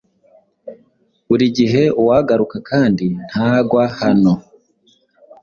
Burigihe uwagaruka kandi ntagwa hano